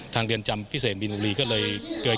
เรือนจำพิเศษบินบุรีก็เลย